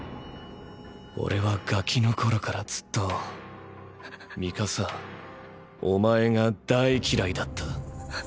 オレはガキの頃からずっとミカサお前が大嫌いだった。！！